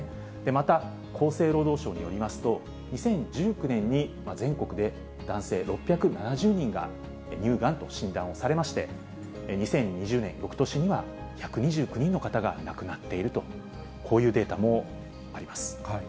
また厚生労働省によりますと、２０１９年に全国で男性６７０人が乳がんと診断をされまして、２０２０年、よくとしには１２９人の方が亡くなっていると、こういうデータもあります。